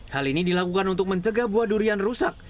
hal ini dilakukan untuk mencegah buah durian rusak